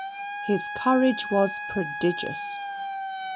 His courage was prodigious.